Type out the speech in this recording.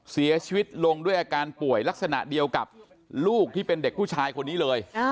เสียชีวิตลงด้วยอาการป่วยลักษณะเดียวกับลูกที่เป็นเด็กผู้ชายคนนี้เลย